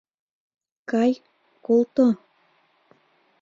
Кай, колто...